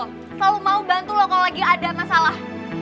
selalu mau bantu lo kalo lagi ada masalah